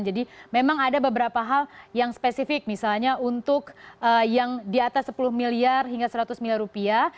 jadi memang ada beberapa hal yang spesifik misalnya untuk yang di atas sepuluh miliar hingga seratus miliar rupiah